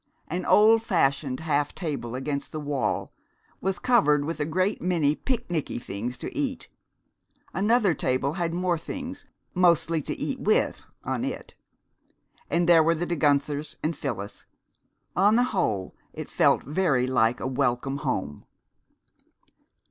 An old fashioned half table against the wall was covered with a great many picknicky things to eat. Another table had more things, mostly to eat with, on it. And there were the De Guenthers and Phyllis. On the whole it felt very like a welcome home.